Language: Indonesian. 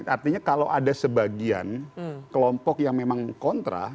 artinya kalau ada sebagian kelompok yang memang kontra